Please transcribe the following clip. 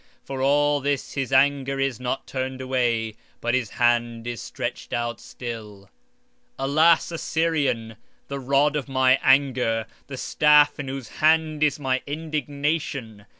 For all this his anger is not turned away, but his hand is stretched out still. 20:5 O Assyrian, the rod of mine anger, and the staff in their hand is their indignation.